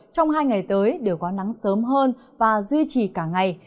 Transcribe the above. trong hai ngày tới đều có nắng sớm hơn và duy trì cả ngày